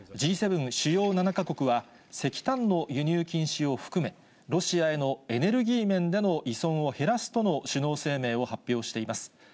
Ｇ７・主要７か国は石炭の輸入禁止を含め、ロシアへのエネルギー面での依存を減らすとの首脳声明を発表しています。